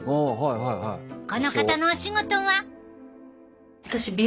この方のお仕事は。